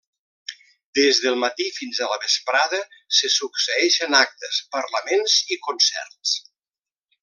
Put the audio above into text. Des del matí i fins a la vesprada se succeïxen actes, parlaments i concerts.